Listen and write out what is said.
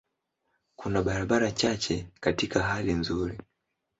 Kuna barabara chache katika hali nzuri.